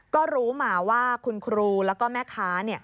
ก็รู้มาว่าคุณครูแล้วก็แม่ค้า